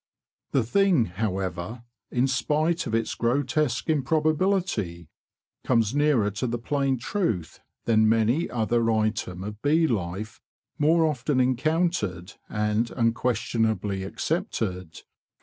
The thing, however, in spite of its grotesque improbability, comes nearer to the plain truth than many another item of bee life more often encountered and unquestionably accepted.